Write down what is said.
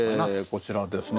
こちらですね。